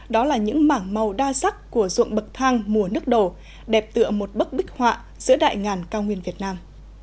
đó là những mảng màu đa sắc của ruộng bậc thang mùa nước đổ đẹp tựa một bức bích họa giữa đại ngàn cao nguyên việt nam